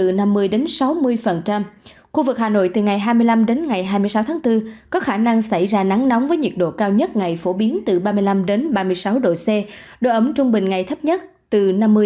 từ ngày hai mươi năm đến ngày hai mươi sáu tháng bốn ở khu vực đồng bằng bắc bộ có khả năng xảy ra nắng nóng trên diện rộng với nhiệt độ cao nhất phổ biến từ ba mươi năm ba mươi sáu độ c độ ấm trung bình ngày thấp nhất từ năm mươi sáu mươi